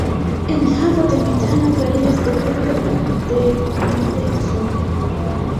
Enhavo de metano varias depende de profundeco.